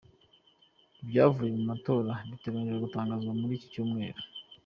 Ibyavuye mu matora biteganyijwe gutangazwa muri iki cyumweru.